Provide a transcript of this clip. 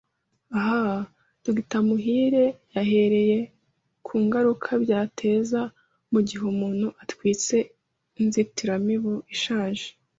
Aha Dr. Muhire yahereye ku ngaruka byateza mu gihe umuntu atwitse inzitiramibu ishaje